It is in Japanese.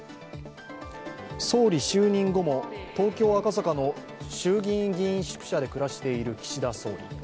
総理就任後も東京・赤坂の衆議院議員宿舎で暮らしている岸田総理。